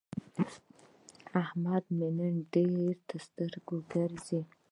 احمد مې نن ډېر تر سترګو ګرځي.